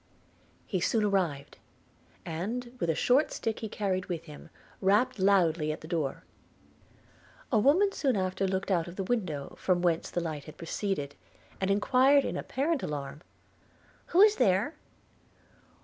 He soon arrived; and, with a short stick he carried with him, rapped loudly at the door. A woman soon after looked out of the window from whence the light had proceeded, and enquired in apparent alarm, 'Who is there?'